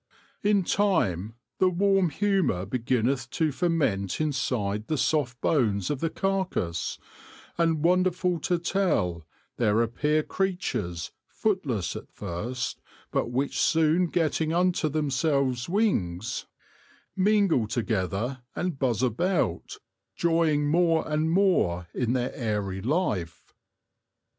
In time, the warm humour beginneth to ferment inside the soft bones of the carcase ; and wonderful to tell, there appear creatures, footless at first, but which soon getting unto themselves winges, mingle together 6 THE LORE OF THE HONEY BEE and buzz about, joying more and more in their airy life.